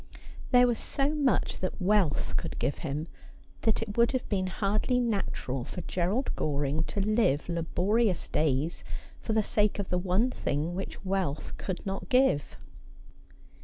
There was so much that wealth could give him, that it would have been hardly natural for Gerald Goring to live laborious days for the sake of the one thing which wealth could not give.